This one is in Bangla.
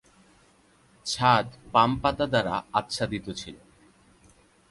ছাদ পাম পাতা দ্বারা আচ্ছাদিত ছিল।